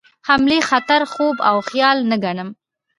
حملې خطر خوب او خیال نه ګڼم.